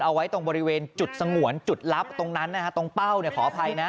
เอาไว้ตรงบริเวณจุดสงวนจุดลับตรงนั้นนะฮะตรงเป้าเนี่ยขออภัยนะ